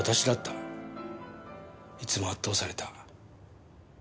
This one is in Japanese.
いつも圧倒された。